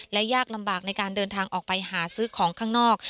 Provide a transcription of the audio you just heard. และยากลำบากในการเดินทางออกไปหาซื้อของข้างนอก